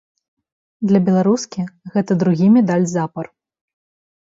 Для беларускі гэта другі медаль запар.